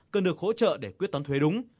cần được hỗ trợ để quyết toán thuế đúng